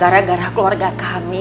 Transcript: gara gara keluarga kami